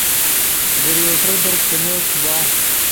گریوٹر در کنیکٹ با